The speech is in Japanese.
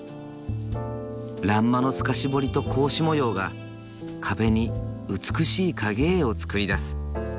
欄間の透かし彫りと格子模様が壁に美しい影絵を作り出す。